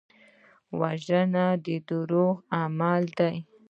وژنه د دوزخ عمل دی